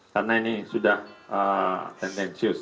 karena ini sudah tendensius